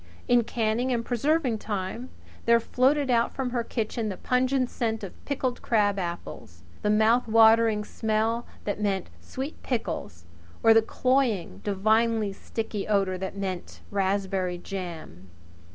In canning and preserving time there floated out from her kitchen the pungent scent of pickled crab apples; the mouth watering, nostril pricking smell that meant sweet pickles; or the cloying, tantalising, divinely sticky odour that meant raspberry jam.